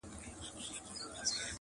پر لمن د پسرلي به څاڅکي څاڅکي صدف اوري؛